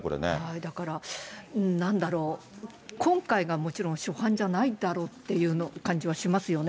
だから、なんだろう、今回がもちろん初犯じゃないだろうって感じはしますよね。